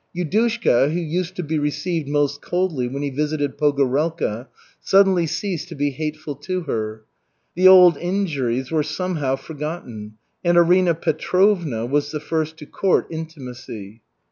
Yudushka, who used to be received most coldly when he visited Pogorelka, suddenly ceased to be hateful to her. The old injuries were somehow forgotten, and Arina Petrovna was the first to court intimacy.